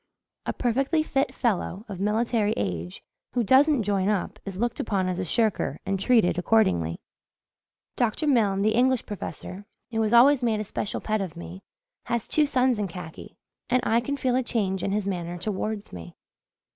A perfectly fit fellow, of military age, who doesn't join up is looked upon as a shirker and treated accordingly. Dr. Milne, the English professor, who has always made a special pet of me, has two sons in khaki; and I can feel the change in his manner towards me."